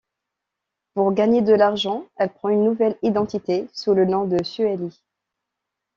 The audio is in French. Pour gagner de l'argent, elle prend une nouvelle identité sous le nom de Suely.